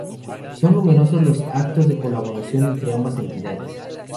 Son numerosos los actos de colaboración entre ambas entidades.